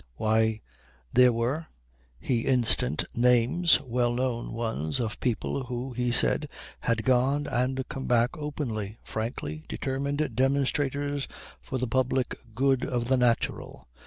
Why, there were he instanced names, well known ones, of people who, he said, had gone and come back openly, frankly, determined demonstrators for the public good of the natural.